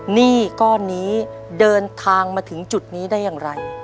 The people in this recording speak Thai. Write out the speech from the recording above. หนี้ก้อนนี้เดินทางมาถึงจุดนี้ได้อย่างไร